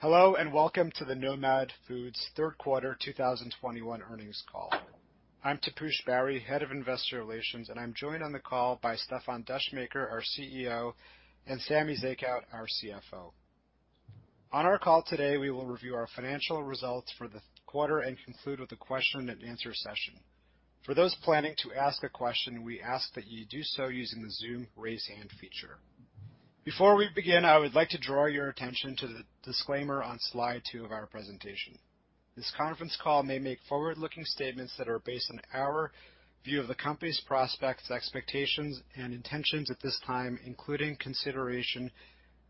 Hello, and welcome to the Nomad Foods Q3 2021 earnings call. I'm Taposh Bari, Head of Investor Relations, and I'm joined on the call by Stéfan Descheemaeker, our CEO, and Samy Zekhout, our CFO. On our call today, we will review our financial results for the quarter and conclude with a question and answer session. For those planning to ask a question, we ask that you do so using the Zoom raise hand feature. Before we begin, I would like to draw your attention to the disclaimer on slide two of our presentation. This conference call may make forward-looking statements that are based on our view of the company's prospects, expectations, and intentions at this time, including consideration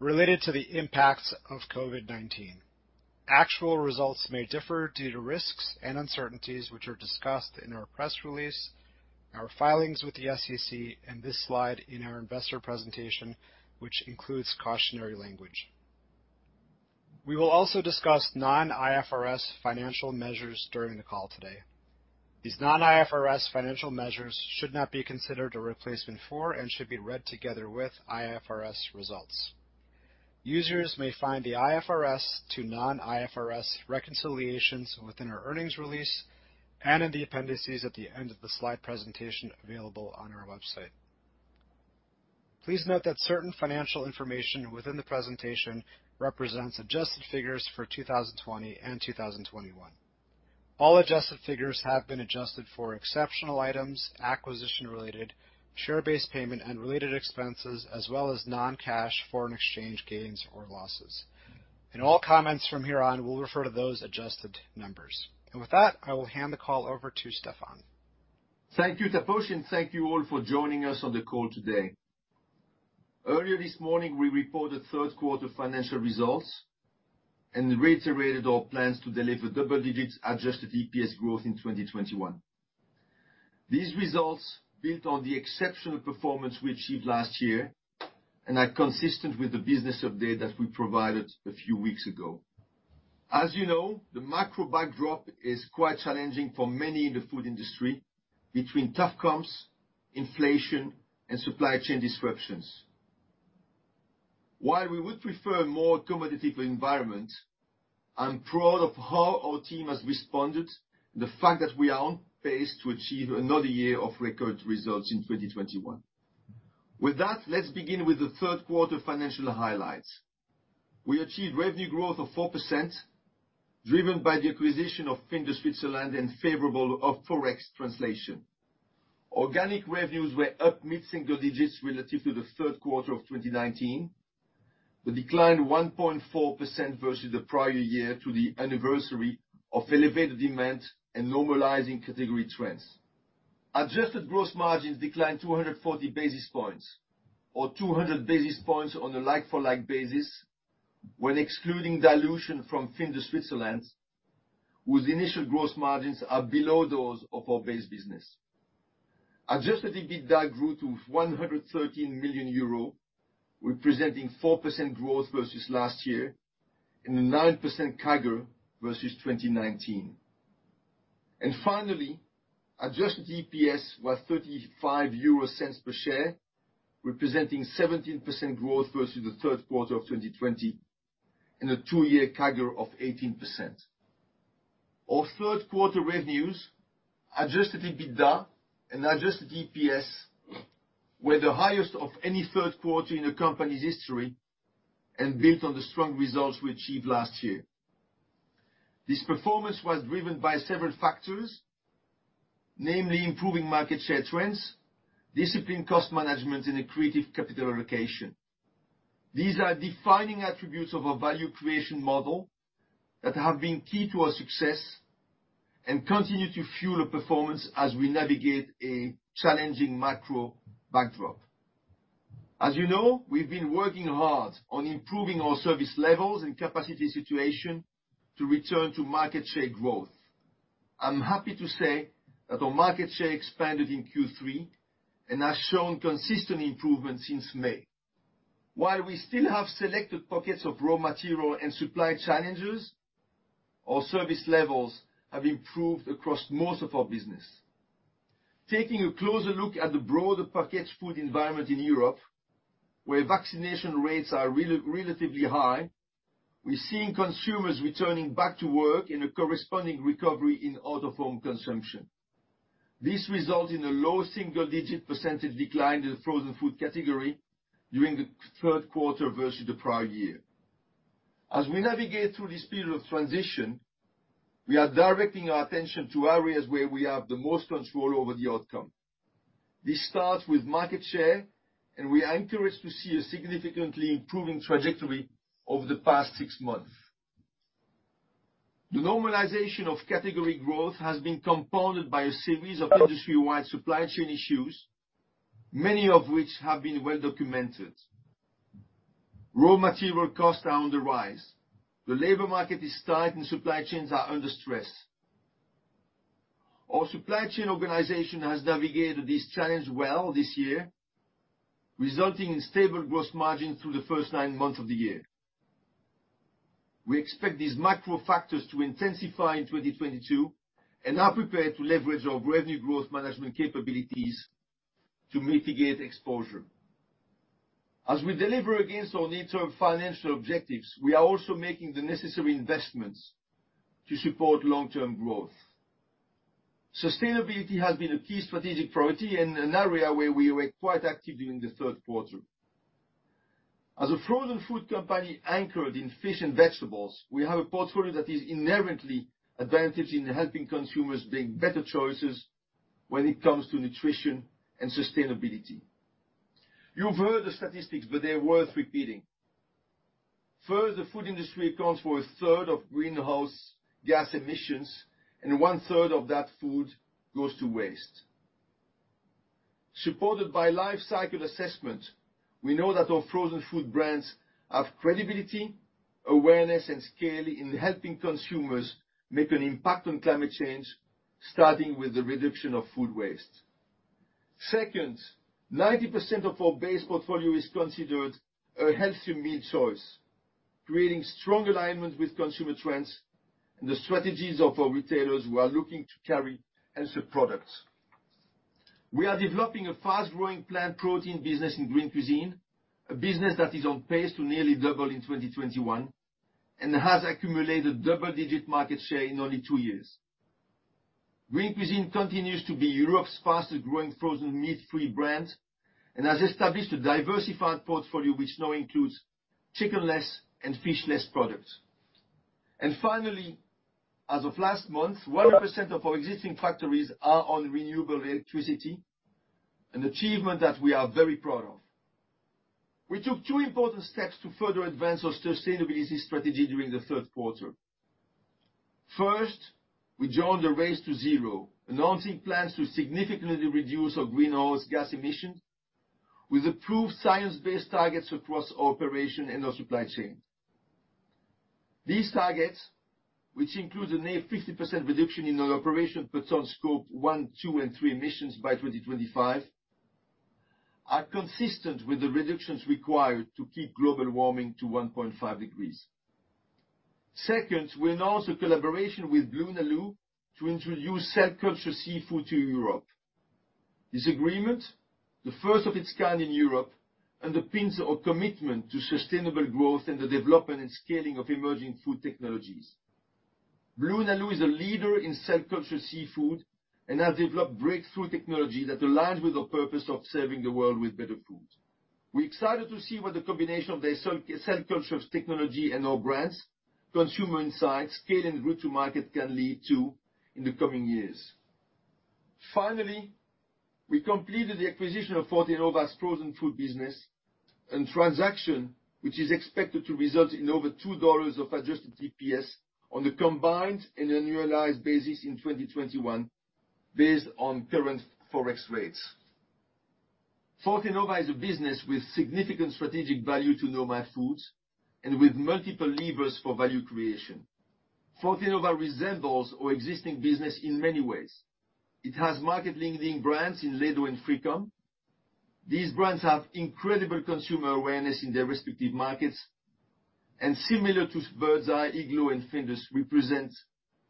related to the impacts of COVID-19. Actual results may differ due to risks and uncertainties, which are discussed in our press release, our filings with the SEC, and this slide in our investor presentation, which includes cautionary language. We will also discuss non-IFRS financial measures during the call today. These non-IFRS financial measures should not be considered a replacement for and should be read together with IFRS results. Users may find the IFRS to non-IFRS reconciliations within our earnings release and in the appendices at the end of the slide presentation available on our website. Please note that certain financial information within the presentation represents adjusted figures for 2020 and 2021. All adjusted figures have been adjusted for exceptional items, acquisition related, share-based payment and related expenses, as well as non-cash foreign exchange gains or losses. In all comments from here on, we'll refer to those adjusted numbers. With that, I will hand the call over to Stéfan. Thank you, Taposh, and thank you all for joining us on the call today. Earlier this morning, we reported Q3 financial results and reiterated our plans to deliver double-digit adjusted EPS growth in 2021. These results built on the exceptional performance we achieved last year and are consistent with the business update that we provided a few weeks ago. As you know, the macro backdrop is quite challenging for many in the food industry between tough comps, inflation, and supply chain disruptions. While we would prefer a more competitive environment, I'm proud of how our team has responded, the fact that we are on pace to achieve another year of record results in 2021. With that, let's begin with the Q3 financial highlights. We achieved revenue growth of 4% driven by the acquisition of Findus Switzerland and favorable ForEx translation. Organic revenues were up mid-single digits relative to the Q3 of 2019. We declined 1.4% versus the prior year to the anniversary of elevated demand and normalizing category trends. Adjusted gross margins declined 240 basis points or 200 basis points on a like-for-like basis when excluding dilution from Findus Switzerland, whose initial gross margins are below those of our base business. Adjusted EBITDA grew to 113 million euro, representing 4% growth versus last year and a 9% CAGR versus 2019. Finally, adjusted EPS was 0.35 per share, representing 17% growth versus the Q3 of 2020 and a two-year CAGR of 18%. Our Q3 revenues, adjusted EBITDA and adjusted EPS were the highest of any Q3 in the company's history and built on the strong results we achieved last year. This performance was driven by several factors, namely improving market share trends, disciplined cost management and a creative capital allocation. These are defining attributes of our value creation model that have been key to our success and continue to fuel the performance as we navigate a challenging macro backdrop. As you know, we've been working hard on improving our service levels and capacity situation to return to market share growth. I'm happy to say that our market share expanded in Q3 and has shown consistent improvement since May. While we still have selected pockets of raw material and supply challenges, our service levels have improved across most of our business. Taking a closer look at the broader packaged food environment in Europe, where vaccination rates are relatively high, we're seeing consumers returning back to work in a corresponding recovery in out-of-home consumption. This results in a low single-digit % decline in the frozen food category during the Q3 versus the prior year. As we navigate through this period of transition, we are directing our attention to areas where we have the most control over the outcome. This starts with market share, and we are encouraged to see a significantly improving trajectory over the past six months. The normalization of category growth has been compounded by a series of industry-wide supply chain issues, many of which have been well documented. Raw material costs are on the rise. The labor market is tight and supply chains are under stress. Our supply chain organization has navigated this challenge well this year, resulting in stable gross margin through the first nine months of the year. We expect these macro factors to intensify in 2022 and are prepared to leverage our revenue growth management capabilities to mitigate exposure. As we deliver against our near-term financial objectives, we are also making the necessary investments to support long-term growth. Sustainability has been a key strategic priority and an area where we were quite active during the Q3. As a frozen food company anchored in fish and vegetables, we have a portfolio that is inherently advantaged in helping consumers make better choices when it comes to nutrition and sustainability. You've heard the statistics, but they're worth repeating. First, the food industry accounts for a third of greenhouse gas emissions, and 1/3 of that food goes to waste. Supported by life cycle assessment, we know that our frozen food brands have credibility, awareness, and scale in helping consumers make an impact on climate change, starting with the reduction of food waste. Second, 90% of our base portfolio is considered a healthy meal choice, creating strong alignment with consumer trends and the strategies of our retailers who are looking to carry healthier products. We are developing a fast-growing plant protein business in Green Cuisine, a business that is on pace to nearly double in 2021 and has accumulated double-digit market share in only two years. Green Cuisine continues to be Europe's fastest-growing frozen meat-free brand and has established a diversified portfolio which now includes chicken-less and fish-less products. Finally, as of last month, 100% of our existing factories are on renewable electricity, an achievement that we are very proud of. We took two important steps to further advance our sustainability strategy during the Q3. First, we joined the Race to Zero, announcing plans to significantly reduce our greenhouse gas emissions with approved science-based targets across our operation and our supply chain. These targets, which include a near 50% reduction in our operation per ton Scope 1, 2, and 3 emissions by 2025, are consistent with the reductions required to keep global warming to 1.5 degrees. Second, we announced a collaboration with BlueNalu to introduce cell-cultured seafood to Europe. This agreement, the first of its kind in Europe, underpins our commitment to sustainable growth and the development and scaling of emerging food technologies. BlueNalu is a leader in cell-cultured seafood and has developed breakthrough technology that aligns with our purpose of serving the world with better food. We're excited to see what the combination of their cell-cultured technology and our brands, consumer insights, scale, and route to market can lead to in the coming years. Finally, we completed the acquisition of Fortenova's frozen food business and transaction, which is expected to result in over $2 of adjusted EPS on a combined and annualized basis in 2021 based on current ForEx rates. Fortenova is a business with significant strategic value to Nomad Foods and with multiple levers for value creation. Fortenova resembles our existing business in many ways. It has market-leading brands in Ledo and Frikom. These brands have incredible consumer awareness in their respective markets, and similar to Birds Eye, Iglo, and Findus, represent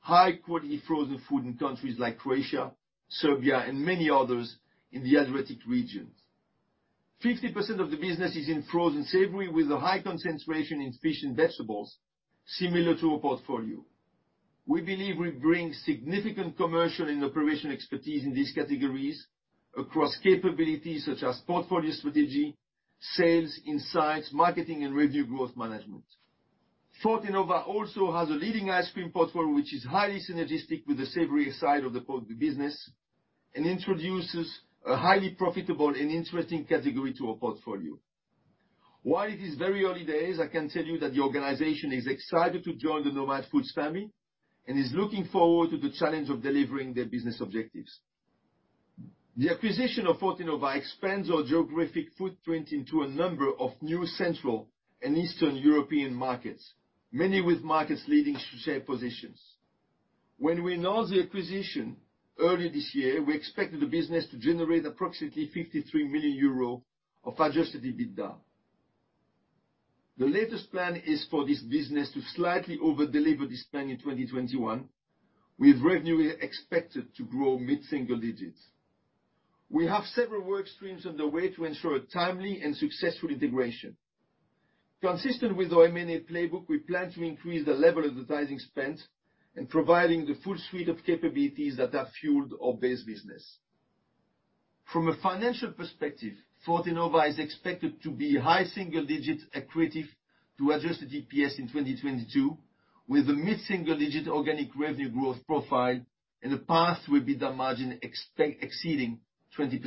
high-quality frozen food in countries like Croatia, Serbia, and many others in the Adriatic regions. 50% of the business is in frozen savory with a high concentration in fish and vegetables, similar to our portfolio. We believe we bring significant commercial and operational expertise in these categories across capabilities such as portfolio strategy, sales, insights, marketing, and revenue growth management. Fortenova also has a leading ice cream portfolio, which is highly synergistic with the savory side of the portfolio business and introduces a highly profitable and interesting category to our portfolio. While it is very early days, I can tell you that the organization is excited to join the Nomad Foods family and is looking forward to the challenge of delivering their business objectives. The acquisition of Fortenova expands our geographic footprint into a number of new central and Eastern European markets, many with market-leading share positions. When we announced the acquisition earlier this year, we expected the business to generate approximately 53 million euros of adjusted EBITDA. The latest plan is for this business to slightly over-deliver this plan in 2021, with revenue expected to grow mid-single digits. We have several work streams underway to ensure a timely and successful integration. Consistent with our M&A playbook, we plan to increase the level of advertising spend and providing the full suite of capabilities that have fueled our base business. From a financial perspective, Fortenova is expected to be high single digits accretive to adjusted EPS in 2022, with a mid-single-digit organic revenue growth profile and a path to EBITDA margin exceeding 20%.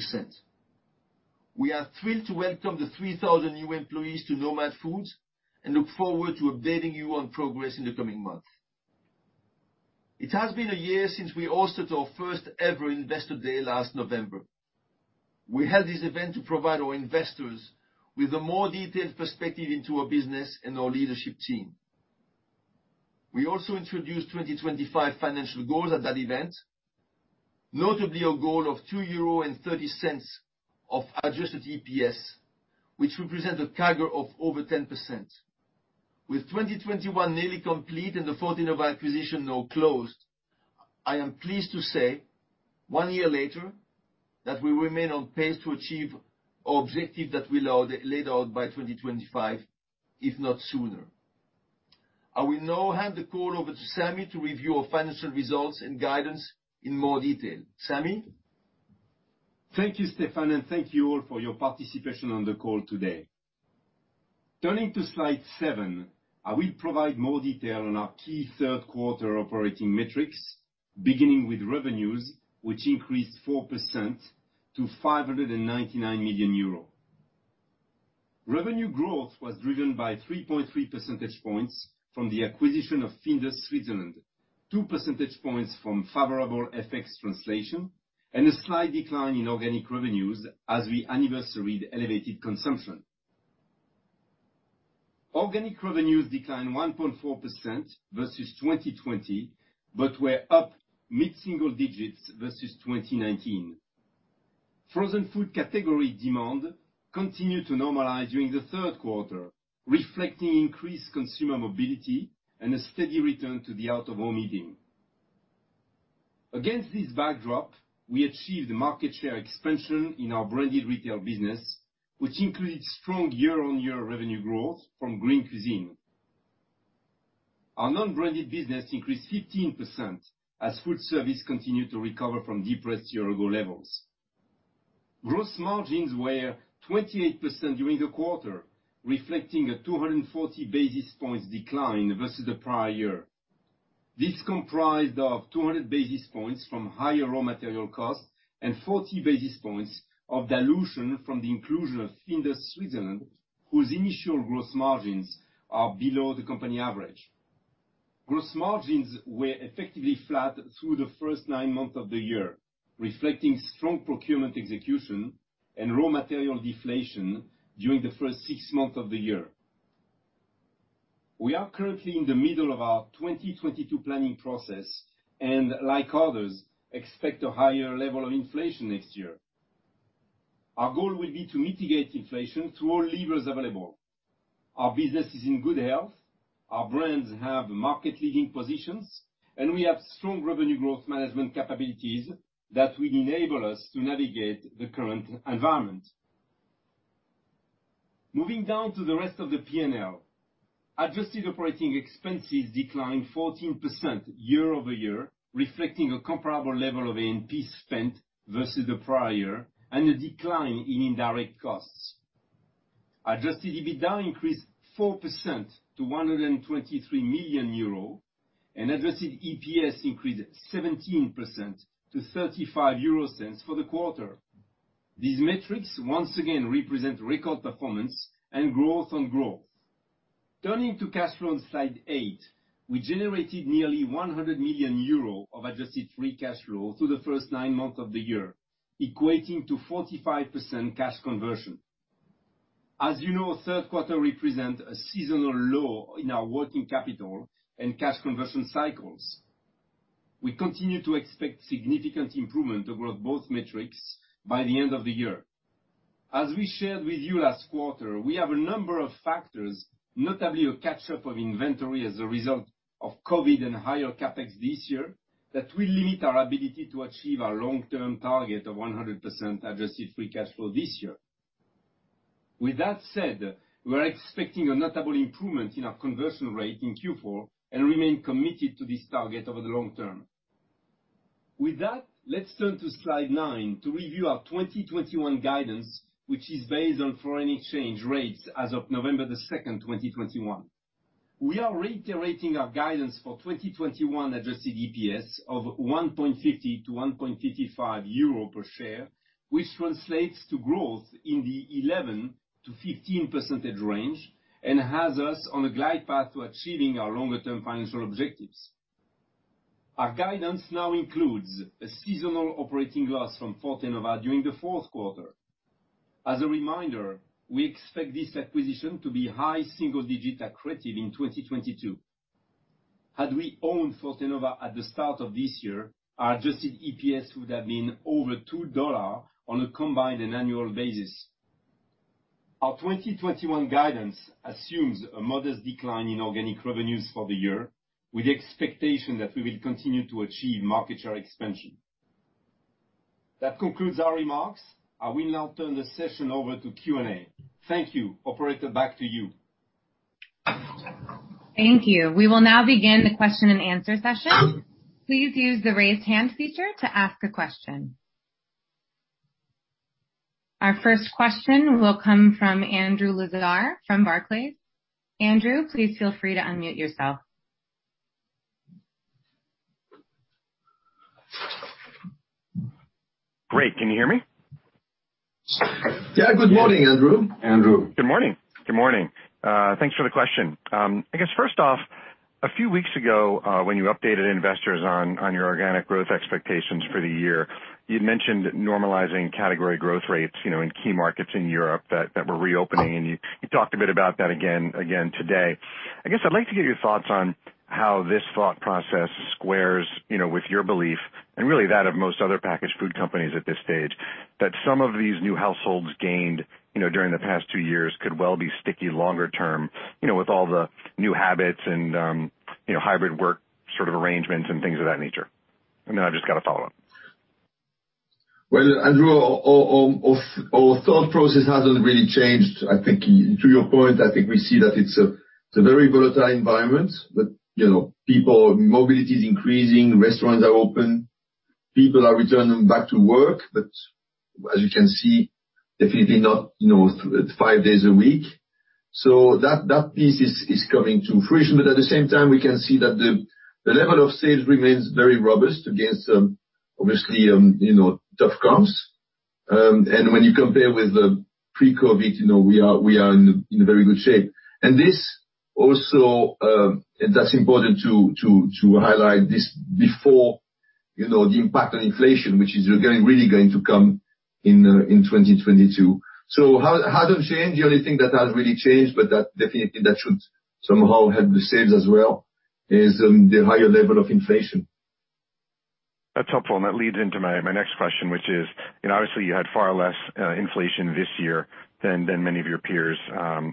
We are thrilled to welcome the 3,000 new employees to Nomad Foods and look forward to updating you on progress in the coming months. It has been a year since we hosted our first-ever Investor Day last November. We held this event to provide our investors with a more detailed perspective into our business and our leadership team. We also introduced 2025 financial goals at that event, notably our goal of 2.30 euro of adjusted EPS, which represents a CAGR of over 10%. With 2021 nearly complete and the Fortenova acquisition now closed, I am pleased to say one year later that we remain on pace to achieve our objective that we laid out by 2025, if not sooner. I will now hand the call over to Samy to review our financial results and guidance in more detail. Samy? Thank you, Stéfan, and thank you all for your participation on the call today. Turning to slide seven, I will provide more detail on our key Q3 operating metrics, beginning with revenues, which increased 4% to 599 million euro. Revenue growth was driven by 3.3 percentage points from the acquisition of Findus Switzerland, 2 percentage points from favorable FX translation, and a slight decline in organic revenues as we anniversaried elevated consumption. Organic revenues declined 1.4% versus 2020, but were up mid-single digits versus 2019. Frozen food category demand continued to normalize during the Q3, reflecting increased consumer mobility and a steady return to the out-of-home eating. Against this backdrop, we achieved market share expansion in our branded retail business, which includes strong year-on-year revenue growth from Green Cuisine. Our non-branded business increased 15% as food service continued to recover from depressed year-ago levels. Gross margins were 28% during the quarter, reflecting a 240 basis points decline versus the prior year. This comprised of 200 basis points from higher raw material costs and 40 basis points of dilution from the inclusion of Findus Switzerland, whose initial gross margins are below the company average. Gross margins were effectively flat through the first nine months of the year, reflecting strong procurement execution and raw material deflation during the first six months of the year. We are currently in the middle of our 2022 planning process, and like others, expect a higher level of inflation next year. Our goal will be to mitigate inflation through all levers available. Our business is in good health. Our brands have market-leading positions, and we have strong revenue growth management capabilities that will enable us to navigate the current environment. Moving down to the rest of the P&L. Adjusted operating expenses declined 14% year-over-year, reflecting a comparable level of A&P spend versus the prior year and a decline in indirect costs. Adjusted EBITDA increased 4% to 123 million euro and adjusted EPS increased 17% to 0.35 for the quarter. These metrics once again represent record performance and growth on growth. Turning to cash flow on slide eight, we generated nearly 100 million euro of adjusted free cash flow through the first nine months of the year, equating to 45% cash conversion. As you know, Q3 represent a seasonal low in our working capital and cash conversion cycles. We continue to expect significant improvement over both metrics by the end of the year. As we shared with you last quarter, we have a number of factors, notably a catch-up of inventory as a result of COVID and higher CapEx this year, that will limit our ability to achieve our long-term target of 100% adjusted free cash flow this year. With that said, we're expecting a notable improvement in our conversion rate in Q4 and remain committed to this target over the long term. With that, let's turn to slide 9 to review our 2021 guidance, which is based on foreign exchange rates as of November 2, 2021. We are reiterating our guidance for 2021 adjusted EPS of 1.50-1.55 euro per share, which translates to growth in the 11%-15% range and has us on a glide path to achieving our longer-term financial objectives. Our guidance now includes a seasonal operating loss from Fortenova during the fourth quarter. As a reminder, we expect this acquisition to be high single digit accretive in 2022. Had we owned Fortenova at the start of this year, our adjusted EPS would have been over $2 on a combined and annual basis. Our 2021 guidance assumes a modest decline in organic revenues for the year, with the expectation that we will continue to achieve market share expansion. That concludes our remarks. I will now turn the session over to Q&A. Thank you. Operator, back to you. Thank you. We will now begin the question and answer session. Please use the Raise Hand feature to ask a question. Our first question will come from Andrew Lazar from Barclays. Andrew, please feel free to unmute yourself. Great. Can you hear me? Yeah. Good morning, Andrew. Andrew. Good morning. Thanks for the question. I guess first off, a few weeks ago, when you updated investors on your organic growth expectations for the year, you'd mentioned normalizing category growth rates, you know, in key markets in Europe that were reopening, and you talked a bit about that again today. I guess I'd like to get your thoughts on how this thought process squares, you know, with your belief, and really that of most other packaged food companies at this stage, that some of these new households gained, you know, during the past two years could well be sticky longer term, you know, with all the new habits and, you know, hybrid work sort of arrangements and things of that nature. I've just got a follow-up. Well, Andrew, our thought process hasn't really changed. I think to your point, I think we see that it's a very volatile environment, but you know, people mobility is increasing, restaurants are open, people are returning back to work, but as you can see, definitely not you know, five days a week. That piece is coming to fruition. But at the same time, we can see that the level of sales remains very robust against obviously you know, tough comps. And when you compare with pre-COVID, you know, we are in very good shape. And this also, that's important to highlight this before you know, the impact on inflation, which is really going to come in 2022. Hasn't changed. The only thing that has really changed, but that definitely should somehow help the sales as well, is the higher level of inflation. That's helpful, that leads into my next question, which is, you know, obviously you had far less inflation this year than many of your peers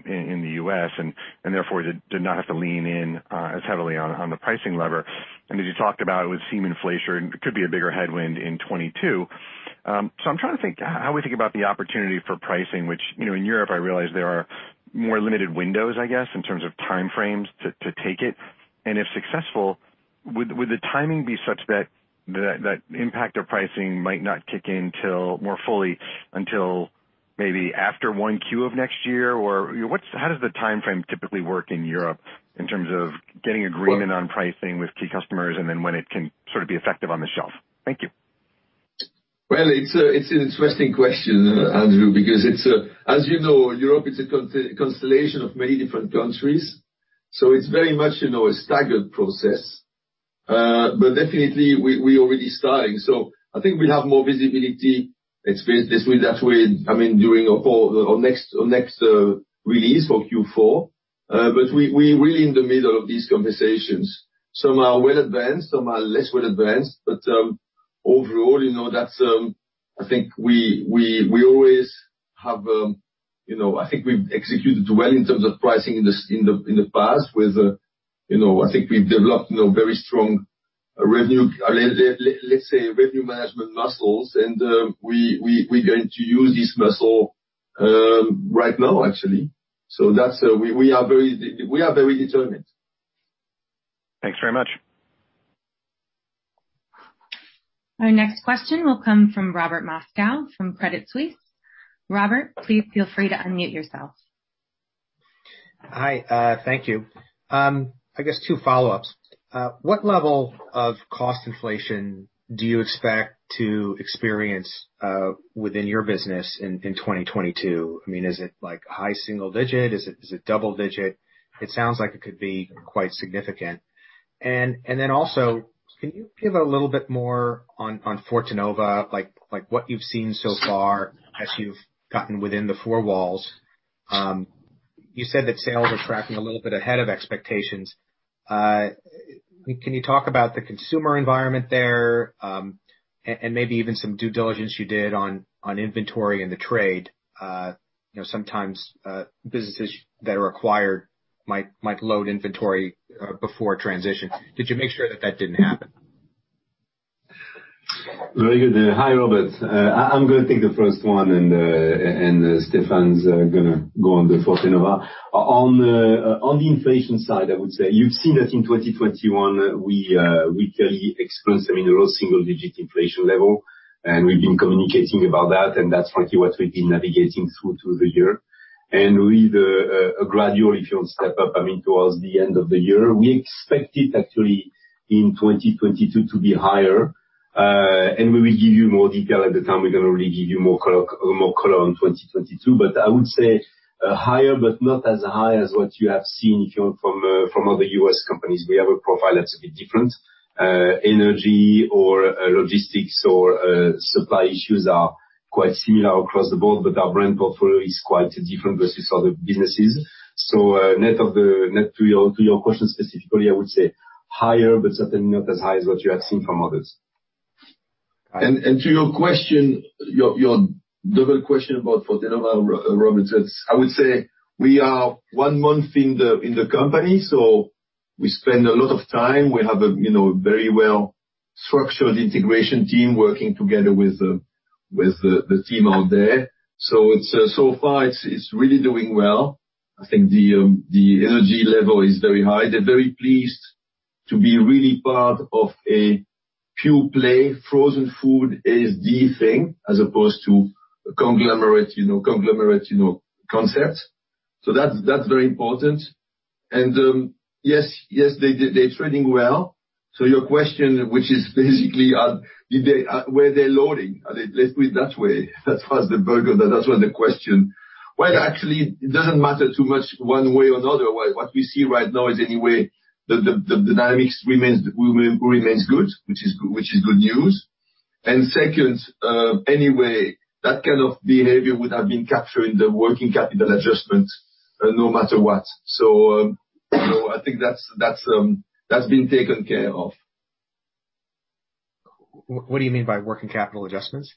in the U.S., and therefore did not have to lean in as heavily on the pricing lever. As you talked about, it would seem inflation could be a bigger headwind in 2022. So I'm trying to think how we think about the opportunity for pricing, which, you know, in Europe, I realize there are more limited windows, I guess, in terms of time frames to take it. If successful, would the timing be such that that impact of pricing might not kick in till more fully until maybe after Q1 of next year? How does the timeframe typically work in Europe in terms of getting agreement on pricing with key customers and then when it can sort of be effective on the shelf? Thank you. Well, it's an interesting question, Andrew, because as you know, Europe is a constellation of many different countries, so it's very much, you know, a staggered process. Definitely we already starting. I think we'll have more visibility this way, that way, I mean, during our call, our next release for Q4. We are really in the middle of these conversations. Some are well advanced, some are less well advanced. Overall, you know, that's, I think we always have, you know, I think we've executed well in terms of pricing in the past with, you know, I think we've developed, you know, very strong revenue, let's say revenue management muscles. We are going to use this muscle right now actually. We are very determined. Thanks very much. Our next question will come from Robert Moskow from Credit Suisse. Robert, please feel free to unmute yourself. Hi, thank you. I guess two follow-ups. What level of cost inflation do you expect to experience within your business in 2022? I mean, is it like high single digit? Is it double digit? It sounds like it could be quite significant. Then also, can you give a little bit more on Fortenova, like what you've seen so far as you've gotten within the four walls? You said that sales are tracking a little bit ahead of expectations. Can you talk about the consumer environment there, and maybe even some due diligence you did on inventory and the trade? You know, sometimes businesses that are acquired might load inventory before transition. Did you make sure that didn't happen? Very good. Hi, Robert. I'm gonna take the first one, and Stéfan's gonna go on the Fortenova. On the inflation side, I would say you've seen that in 2021, we clearly experienced, I mean, a low single-digit inflation level, and we've been communicating about that, and that's actually what we've been navigating through to the year. With a gradual, if you want, step up, I mean, towards the end of the year, we expect it actually in 2022 to be higher. We will give you more detail at the time. We're gonna really give you more color on 2022. But I would say higher, but not as high as what you have seen if you're from other U.S. companies. We have a profile that's a bit different. Energy or logistics or supply issues are quite similar across the board, but our brand portfolio is quite different versus other businesses. Net to your question specifically, I would say higher, but certainly not as high as what you have seen from others. All right. To your question, your double question about Fortenova, Robert, I would say we are one month in the company, so we spend a lot of time. We have a, you know, very well structured integration team working together with the team out there. So far it's really doing well. I think the energy level is very high. They're very pleased to be really part of a pure play frozen food is the thing, as opposed to a conglomerate, you know, concept. That's very important. Yes, they're trading well. Your question, which is basically, did they were they loading? Let's put it that way. That was the bulk of the that was the question. Well, actually, it doesn't matter too much one way or the other. What we see right now is anyway, the dynamics remains good, which is good news. Second, anyway, that kind of behavior would have been captured in the working capital adjustment no matter what. I think that's been taken care of. What do you mean by working capital adjustments?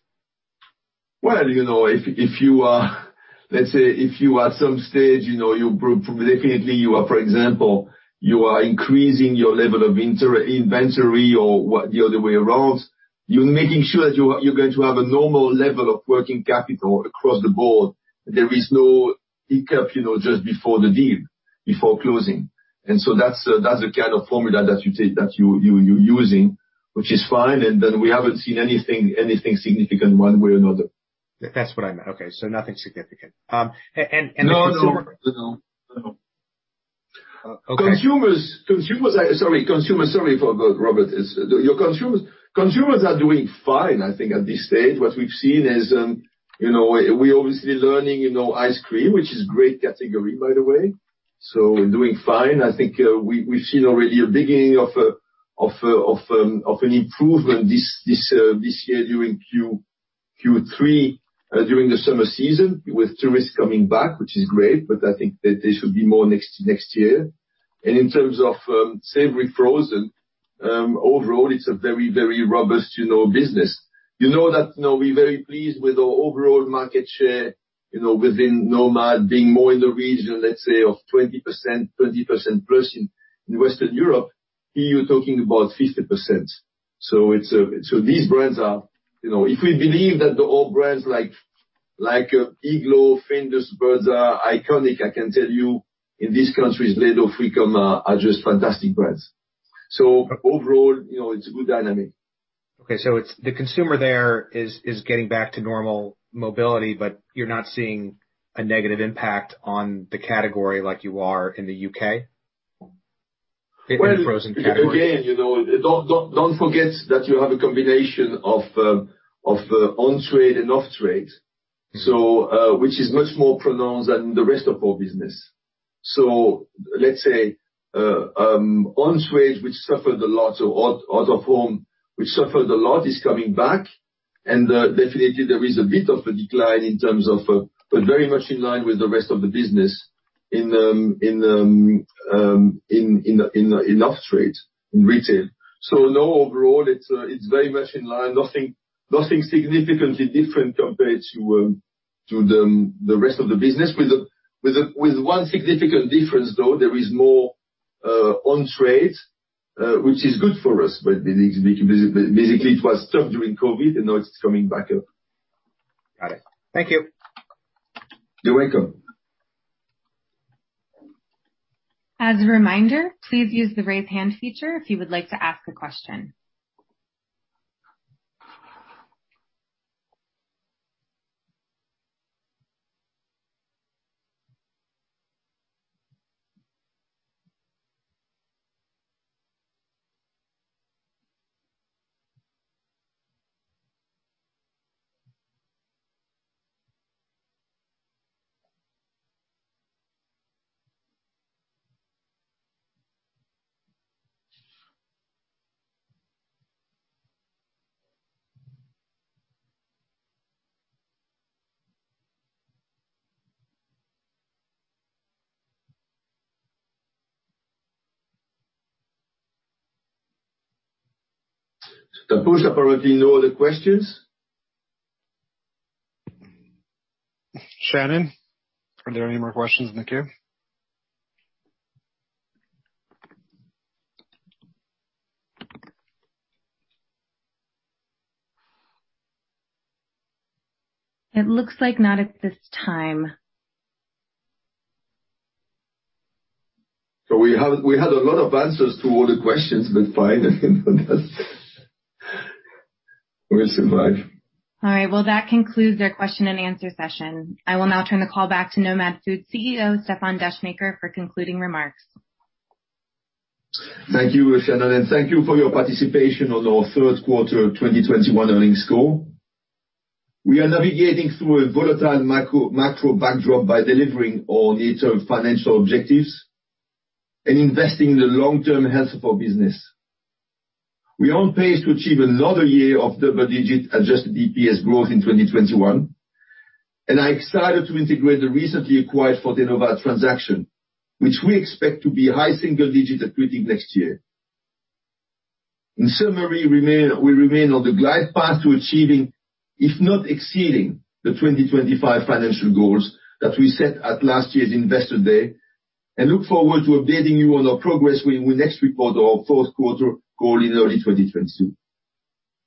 Well, you know, if you are, let's say, at some stage, you know, you are, for example, increasing your level of inventory or the other way around, you're making sure that you're going to have a normal level of working capital across the board. There is no hiccup, you know, just before the deal, before closing. That's the kind of formula that you're using, which is fine. We haven't seen anything significant one way or another. That's what I meant. Okay. Nothing significant, and the consumer- No, no. Oh, okay. Sorry for that, Robert. Our consumers are doing fine, I think, at this stage. What we've seen is, you know, we're obviously in ice cream, which is great category, by the way, so doing fine. I think, we've seen already a beginning of an improvement this year during Q3 during the summer season with tourists coming back, which is great, but I think that they should be more next year. In terms of savory frozen, overall it's a very robust, you know, business. You know that, you know, we're very pleased with our overall market share, you know, within Nomad being more in the region, let's say, of 20%, 20%+. In Western Europe, here you're talking about 50%. These brands are, you know. If we believe that the old brands like Iglo, Findus, Birds Eye are iconic, I can tell you in these countries, Ledo and Frikom are just fantastic brands. Overall, you know, it's a good dynamic. Okay. It's the consumer there is getting back to normal mobility, but you're not seeing a negative impact on the category like you are in the U.K. in the frozen category? Well, again, you know, don't forget that you have a combination of on-trade and off-trade, which is much more pronounced than the rest of our business. Let's say on-trade, which suffered a lot, or out of home, which suffered a lot, is coming back. Definitely there is a bit of a decline in terms of but very much in line with the rest of the business in off-trade, in retail. No, overall it's very much in line. Nothing significantly different compared to the rest of the business. With one significant difference, though, there is more on-trade which is good for us, but basically it was stuck during COVID, and now it's coming back up. Got it. Thank you. You're welcome. As a reminder, please use the raise hand feature if you would like to ask a question. I suppose I already know all the questions. Shannon, are there any more questions in the queue? It looks like not at this time. We had a lot of answers to all the questions, but fine. We'll survive. All right. Well, that concludes our question and answer session. I will now turn the call back to Nomad Foods CEO, Stéfan Descheemaeker, for concluding remarks. Thank you, Shannon, and thank you for your participation on our Q3 2021 earnings call. We are navigating through a volatile macro backdrop by delivering on the long-term financial objectives and investing in the long-term health of our business. We are on pace to achieve another year of double-digit adjusted EPS growth in 2021, and are excited to integrate the recently acquired Fortenova transaction, which we expect to be high single-digit accretive next year. In summary, we remain on the glide path to achieving, if not exceeding, the 2025 financial goals that we set at last year's Investor Day, and look forward to updating you on our progress when we next report our Q4 call in early 2022.